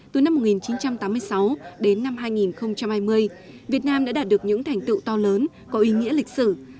từ năm một nghìn chín trăm tám mươi sáu đến năm hai nghìn hai mươi việt nam đã đạt được những thành tựu to lớn có ý nghĩa lịch sử